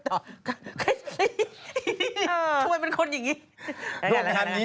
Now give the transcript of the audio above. ทำไมเป็นคนอย่างนี้